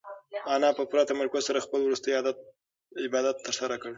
انا په پوره تمرکز سره خپل وروستی عبادت ترسره کړ.